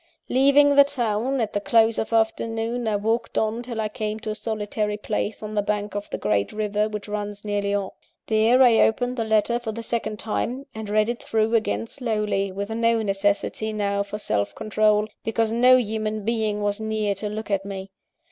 "Leaving the town at the close of afternoon, I walked on till I came to a solitary place on the bank of the great river which runs near Lyons. There I opened the letter for the second time, and read it through again slowly, with no necessity now for self control, because no human being was near to look at me.